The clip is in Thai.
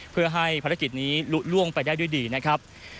เพื่อให้ภารกิจนี้ลุล่วงไปได้ด้วยดีนะครับ